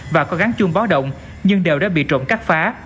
và có gắn chung bó động nhưng đều đã bị trộm cắt phá